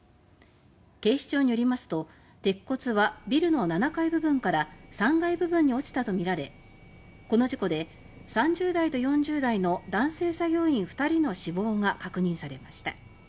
警視庁によりますと鉄骨はビルの７階部分から３階部分に落ちたとみられこの事故で、３０代と４０代の男性作業員２人の死亡が確認されました。